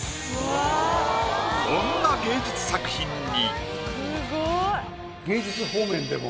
こんな芸術作品に。